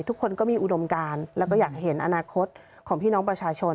ทุกคนก็มีอุดมการแล้วก็อยากเห็นอนาคตของพี่น้องประชาชน